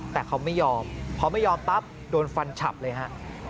แต่เขาไม่ยอมพอไม่ยอมปั๊บโดนฟันฉับเลยฮะ